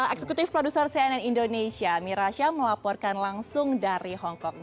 eksekutif produser cnn indonesia mirasha melaporkan langsung dari hongkong